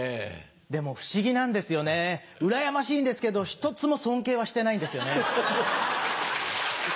でも不思議なんですよねうらやましいんですけど一つも尊敬はしてないんですよね。